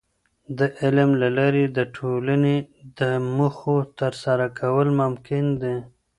د علم له لارې د ټولني د موخو ترسره کول ممکن دي.